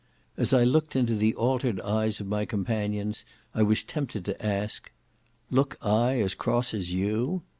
As I looked into the altered eyes of my companions, I was tempted to ask, "Look I as cross as you?"